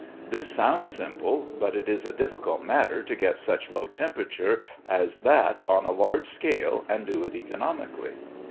This sounds simple, but it is a difficult matter to get such low temperature as that on a large scale and do it economically.